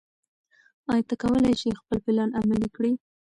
ایا ته کولای شې خپل پلان عملي کړې؟